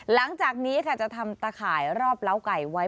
หลังจากนี้ค่ะจะทำตะข่ายรอบเล้าไก่ไว้